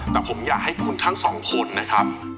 แต่ผมอยากให้คุณทั้งสองคนนะครับ